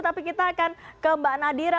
tapi kita akan ke mbak nadira